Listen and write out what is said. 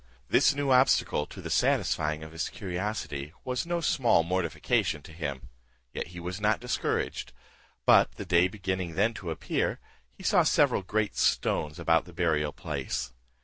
This new obstacle to the satisfying of his curiosity was no small mortification to him, yet he was not discouraged, but the day beginning then to appear, he saw several great stones about the burial place.